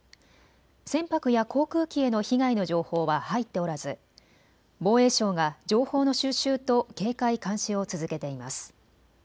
船舶や航空機への被害の情報は入っておらず防衛省が情報の収集と警戒・監視を続けています。